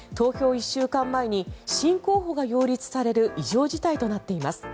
１週間前に新候補が擁立される異常事態となっています。